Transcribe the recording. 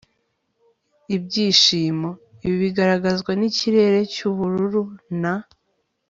ibyishimo. ibi bigaragazwa nikirere cyubururu na